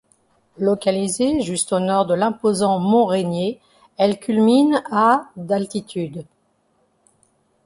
Localisée juste au nord de l’imposant mont Rainier, elle culmine à d’altitude.